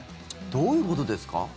どういうことですか？